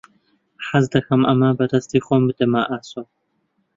حەز دەکەم ئەمە بە دەستی خۆم بدەمە ئاسۆ.